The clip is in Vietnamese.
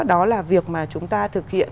đó là việc mà chúng ta thực hiện